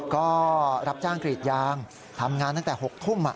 ก็รับจ้างกรีดยางทำงานตั้งแต่๖ทุ่ม